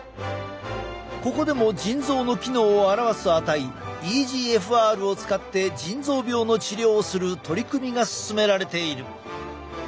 ここでも腎臓の機能を表す値ｅＧＦＲを使って腎臓病の治療をする取り組みが進められている。